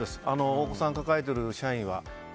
お子さん抱えている社員は。